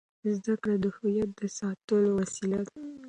زده کړه د هویت د ساتلو وسیله ده.